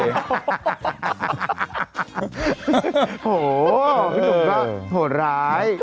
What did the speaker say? โอ้โหจริงแล้วโหดร้าย